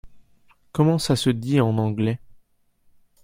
Comment ça se dit en anglais ?